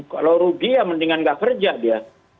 kalau rugi ya mendingan nggak kerja dia